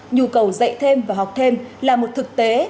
nhu cầu dạy thêm và học thêm là một thực tế